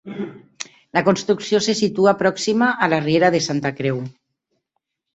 La construcció se situa pròxima a la riera de Santa Creu.